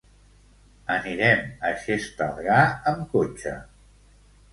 Anirem a Xestalgar amb cotxe.